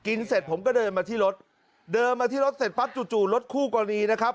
เสร็จผมก็เดินมาที่รถเดินมาที่รถเสร็จปั๊บจู่จู่รถคู่กรณีนะครับ